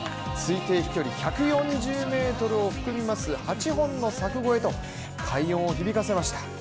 推定飛距離１４０ｍを含みます８本の柵越えと快音を響かせました。